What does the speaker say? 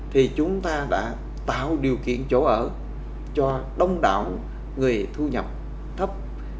thì chúng ta đã tạo điều kiện chỗ ở cho đông đảo người thu nhập thấp